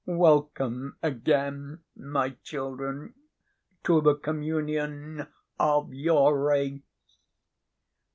Welcome again, my children, to the communion of your race."